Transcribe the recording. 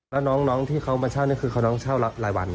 แล้วน้องที่เขามาเช่านี่คือเขาน้องเช่ารายวัน